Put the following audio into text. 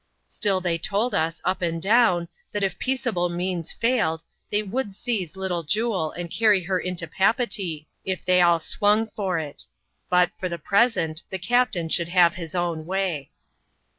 Still they told us, up and down, that if peaceable means failed, they would seize Little Jule, and carry her into Papeetee, if they all swung for it; but, for the present, the captain should have his own way.